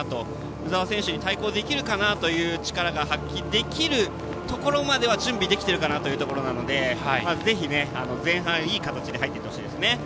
鵜澤選手に対抗できる力が発揮できるところまでは準備できているかなというところなのでぜひ前半、いい形で入っていってほしいですね。